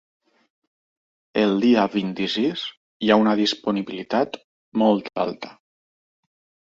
El dia vint-i-sis hi ha una disponibilitat molt alta.